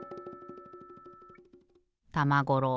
たまごろう